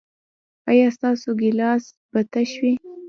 ایا ستاسو ګیلاس به تش وي؟